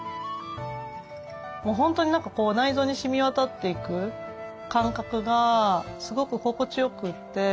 もう本当に何かこう内臓にしみ渡っていく感覚がすごく心地よくて。